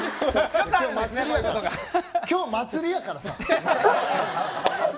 今日、祭りやからさ。